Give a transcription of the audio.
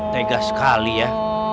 tegas sekali ya